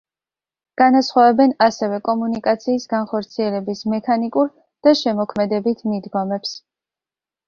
განასხვავებენ ასევე კომუნიკაციის განხორციელების მექანიკურ და შემოქმედებით მიდგომებს.